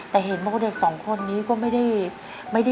แต่เห็นว่าเด็ก๒คนนี้ก็ไม่ได้ยิน